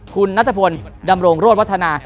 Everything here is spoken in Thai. คุณนัทพลดำรงโรธวัฒนา